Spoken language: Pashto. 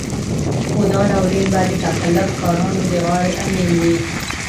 خو دا ناورين به د تقلب کارانو د غاړې امېل وي.